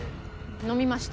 飲みました。